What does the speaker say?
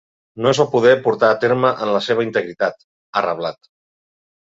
No es va poder portar a terme en la seva integritat, ha reblat.